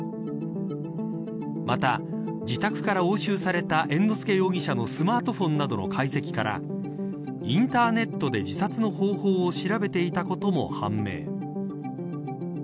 また、自宅から押収された猿之助容疑者のスマートフォンなどの解析からインターネットで自殺の方法を調べていたことも判明。